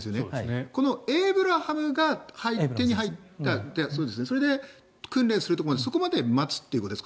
このエイブラムスが手に入ってそれを訓練するところまで待つということですか。